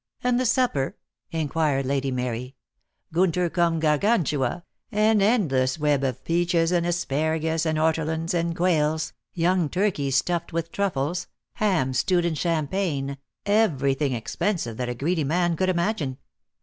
"And the supper?" inquired Lady Mary. " Gunier cum Gargantiia, an endless web of peaches and asparagus and ortolans and quails, young turkeys stuffed with truffles, hams stewed in champagne, everything expensive that a greedy man could imagine.